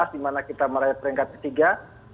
dimana kita meraih peringkat ketiga